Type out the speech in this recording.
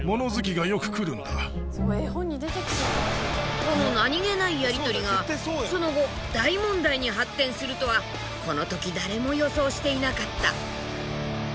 この何気ないやり取りがその後大問題に発展するとはこの時誰も予想していなかった。